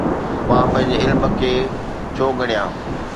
مان پنهنجي علم کي ڇو ڳڻيان؟